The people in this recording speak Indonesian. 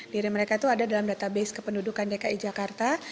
diri mereka itu ada dalam database kependudukan dki jakarta